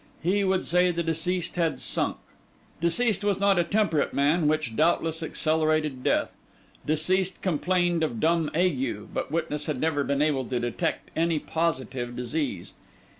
He would say the deceased had sunk. Deceased was not a temperate man, which doubtless accelerated death. Deceased complained of dumb ague, but witness had never been able to detect any positive disease.